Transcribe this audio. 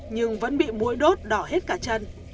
nhưng vẫn bị mũi đốt đỏ hết cả chân